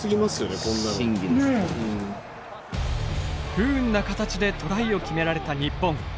不運な形でトライを決められた日本。